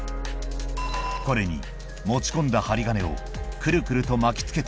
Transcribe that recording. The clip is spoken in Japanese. これに持ち込んだ針金をくるくると巻きつけて行く